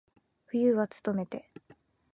冬はつとめて。